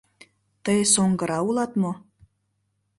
— Тый соҥгыра улат мо?